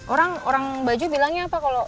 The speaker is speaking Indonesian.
orang orang baju bilangnya apa kalau